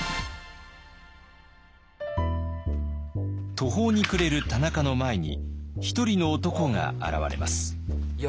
途方に暮れる田中の前に一人の男が現れます。